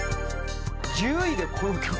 １０位でこの曲。